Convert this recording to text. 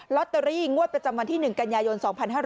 ลอตเตอรี่งวดประจำวันที่๑กันยายน๒๕๕๙